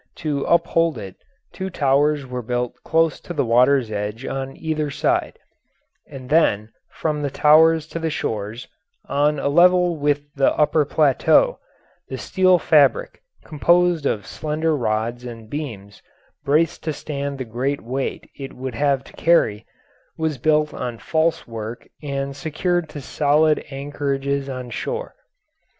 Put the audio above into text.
To uphold it, two towers were built close to the water's edge on either side, and then from the towers to the shores, on a level with the upper plateau, the steel fabric, composed of slender rods and beams braced to stand the great weight it would have to carry, was built on false work and secured to solid anchorages on shore.